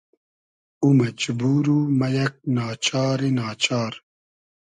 او مئجبور و مۂ یئگ نا چاری نا چار